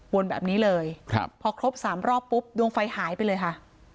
วนแบบนี้เลยครับพอครบ๓รอบปุ๊บดวงไฟหายไปเลยค่ะ